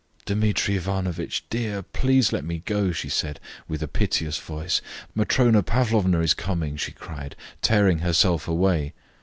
"Dmitri Ivanovitch, dear! please let me go," she said, with a piteous voice. "Matrona Pavlovna is coming," she cried, tearing herself away.